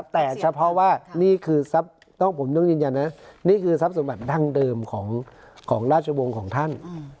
แต่เฉพาะว่านี่คือทรัพย์สมัยทางเดิมของราชวงศ์ของท่าน